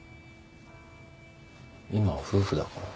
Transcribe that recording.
今は夫婦だから。